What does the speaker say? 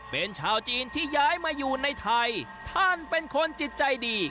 เป็นชาวจีนที่ย้ายมาอยู่ในไทยท่านเป็นคนจิตใจดี